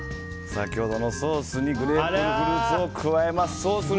先ほどのソースにグレープフルーツを加えます。